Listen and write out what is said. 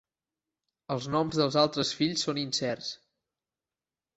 Els noms dels altres fills són incerts.